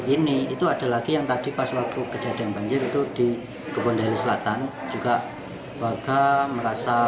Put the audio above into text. ini itu ada lagi yang tadi pas waktu kejadian banjir itu di kebun dari selatan juga warga merasa